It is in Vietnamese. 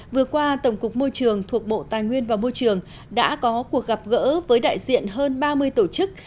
vừa qua tổng cục môi trường thuộc bộ tài nguyên và môi trường đã có cuộc gặp gỡ với đại diện hơn ba mươi tổ chức